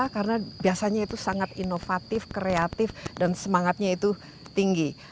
karena biasanya itu sangat inovatif kreatif dan semangatnya itu tinggi